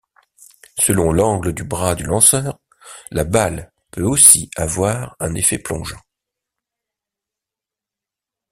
Selon l'angle du bras du lanceur, la balle peut aussi avoir un effet plongeant.